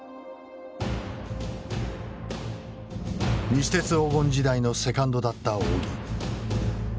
西鉄黄金時代のセカンドだった仰木。